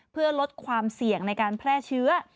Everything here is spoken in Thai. เพื่อลดความเสี่ยงในการแพร่เชื้อ